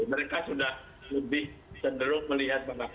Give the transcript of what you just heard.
mereka sudah lebih cenderung melihat bahwa